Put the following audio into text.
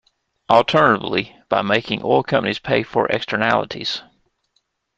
Alternatively, by making oil companies pay for externalities.